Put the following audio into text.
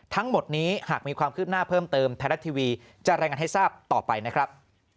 ทั้งหมดนี้หากมีความคืบหน้าเพิ่มเติมไทยรัฐทีวีจะรายงานให้ทราบต่อไปนะครับ